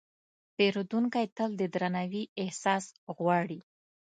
پیرودونکی تل د درناوي احساس غواړي.